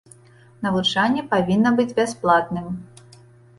Навучанне павінна быць бясплатным.